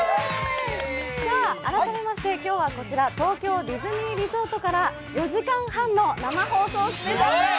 改めまして今日はこちら、東京ディズニーリゾートから４時間半の生放送スペシャルです。